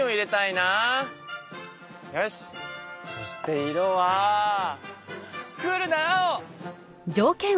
そして色はクールな青！